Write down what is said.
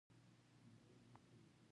د جهالت د مینځلو لپاره باید څه شی وکاروم؟